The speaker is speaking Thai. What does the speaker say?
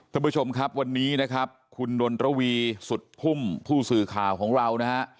ท่านผู้ชมครับวันนี้คุณดนตรวีสุดพุ่มผู้สื่อข่าวของเรา